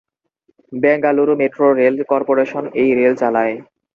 Bengaluru metro rail corporation এই rail চালায়।